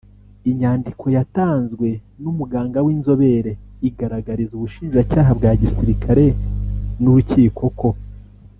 Inyandiko yatanzwe n’umuganga w’inzobere igaragariza ubushinjacyaha bwa gisirikare n’urukiko ko